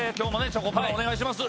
チョコプラお願いします。